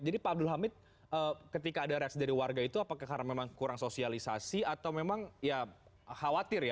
jadi pak abdul hamid ketika ada res dari warga itu apakah karena memang kurang sosialisasi atau memang ya khawatir ya